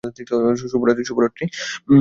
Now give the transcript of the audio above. শুভরাত্রি, মিং।